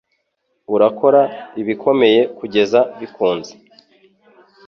Urakora ibikomeye kugeza bikunze.